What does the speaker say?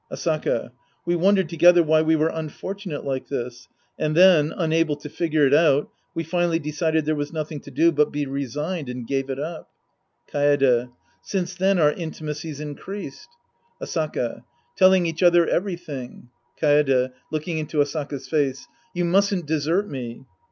Asaka. We wondered together why we were unfortunate like this. And then, unable to figure it out, we finally decided there was nothing to do but be resigned and gave it up. Kaede. Since then our intimacy's increased. Sc. I The Priest and His Disciples 171 Asaiia. Telling each other everything. Kaede {looking into Asakds face). You mustn't desert me.